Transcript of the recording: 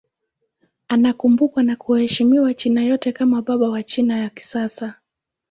Anakumbukwa na kuheshimiwa China yote kama baba wa China ya kisasa.